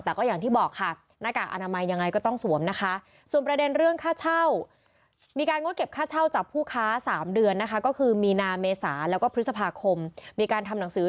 แต่ก็อย่างที่บอกค่ะหน้ากากอนามัยยังไงก็ต้องสวมนะคะส่วนประเด็นเรื่องค่าเช่ามีการงดเก็บค่าเช่าจากผู้ค้า๓เดือนนะคะก็คือมีนาเมษาแล้วก็พฤษภาคมมีการทำหนังสือ